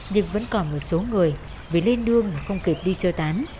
nhưng vẫn còn một số người vì lên đường không kịp đi sơ tán